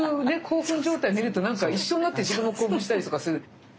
興奮状態見ると一緒になって自分も興奮したりとかする。